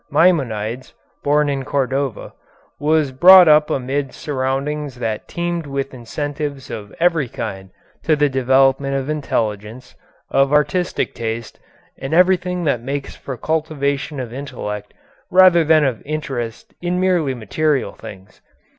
Maimonides, born in Cordova, was brought up amid surroundings that teemed with incentives of every kind to the development of intelligence, of artistic taste, and everything that makes for cultivation of intellect rather than of interest in merely material things.